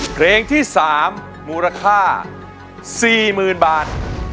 เพลงที่๓มูลค่า๔๐๐๐บาท